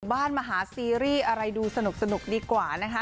บ้านมหาซีรีส์อะไรดูสนุกดีกว่านะคะ